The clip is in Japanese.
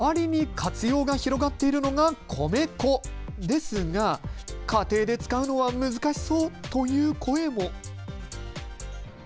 代わりに活用が広がっているのが米粉、ですが家庭で使うのは難しそうという声も。